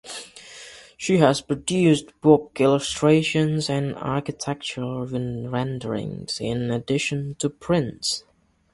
She has produced book illustrations and architectural renderings in addition to prints.